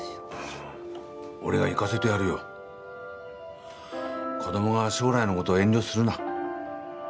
あぁ俺がいかせてやるよ。子供が将来のことを遠慮するな。